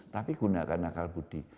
tapi gunakan akal budi